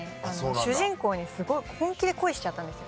主人公にすごい本気で恋しちゃったんですよ。